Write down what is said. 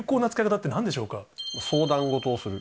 相談事をする。